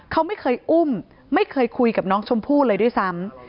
เขาไม่เคยอุ้มไม่เคยคุยกับน้องชมพู่เลยด้วยซ้ำ